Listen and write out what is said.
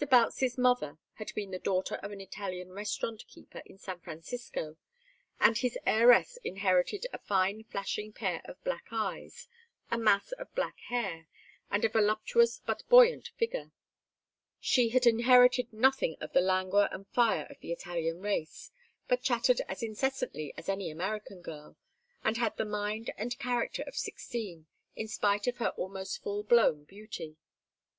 Boutts's mother had been the daughter of an Italian restaurant keeper in San Francisco, and his heiress inherited a fine flashing pair of black eyes, a mass of black hair, and a voluptuous but buoyant figure. She had inherited nothing of the languor and fire of the Italian race, but chattered as incessantly as any American girl, and had the mind and character of sixteen, in spite of her almost full blown beauty.